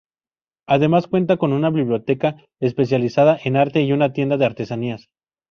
Además cuenta con una biblioteca especializada en arte y una tienda de artesanías.